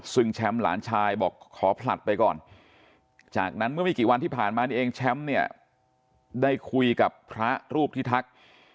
ซึ่งแชมป์หลานชายบอกขอผลัดไปก่อนจากนั้นเมื่อไม่กี่วันที่ผ่านมานี่เองแชมป์เนี่ยได้คุยกับพระรูปที่ทัก